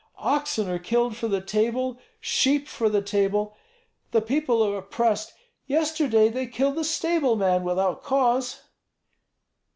Oxen are killed for the table, sheep for the table. The people are oppressed. Yesterday they killed the stable man without cause."